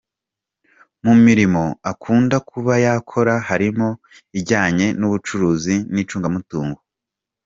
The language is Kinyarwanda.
Mu mirimo akunda kuba yakora harimo ijyanye n’ubucuruzi n’icungamutungo.